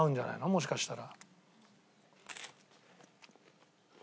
もしかしたら。